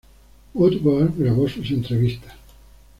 Woodward grabó sus entrevistas.